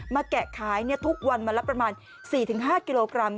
แกะขายทุกวันวันละประมาณ๔๕กิโลกรัม